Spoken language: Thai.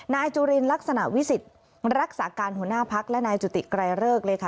นายจุลินลักษณะวิสิทธิ์รักษาการหัวหน้าพักและนายจุติไกรเลิกเลยค่ะ